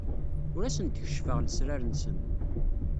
Ur asen-d-keccfeɣ lesrar-nsen.